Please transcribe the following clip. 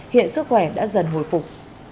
hiện sức khỏe đã dần hồi phục